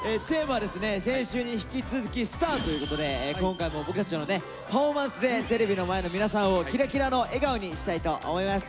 先週に引き続き「ＳＴＡＲ」ということで今回も僕たちのねパフォーマンスでテレビの前の皆さんをキラキラの笑顔にしたいと思います。